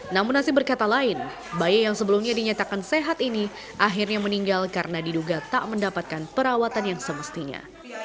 namun nasib berkata lain bayi yang sebelumnya dinyatakan sehat ini akhirnya meninggal karena diduga tak mendapatkan perawatan yang semestinya